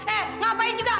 eh ngapain juga